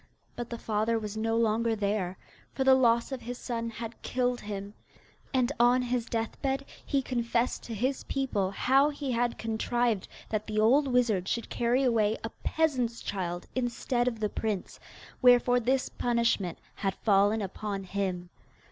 But the father was no longer there, for the loss of his son had killed him; and on his deathbed he confessed to his people how he had contrived that the old wizard should carry away a peasant's child instead of the prince, wherefore this punishment had fallen upon him.